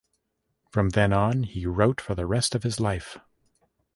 From then on, he wrote for the rest of his life.